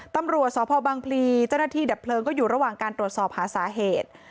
ตำรวจสพบังพลีเจ้าหน้าที่ดับเพลิงก็อยู่ระหว่างการตรวจสอบหาสาเหตุ